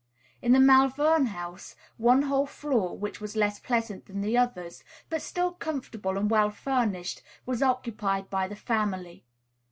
In the Malvern house, one whole floor, which was less pleasant than the others, but still comfortable and well furnished, was occupied by the family.